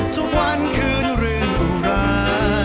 ทุกวันคืนรื่นบุร่า